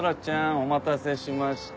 お待たせしました。